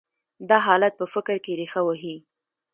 دا حالت په فکر کې رېښه وهي.